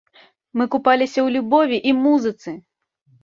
Мы купаліся ў любові і музыцы!